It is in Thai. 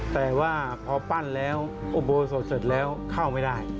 แต่ว่าพอปั้นแล้วอุโบสถเสร็จแล้วเข้าไม่ได้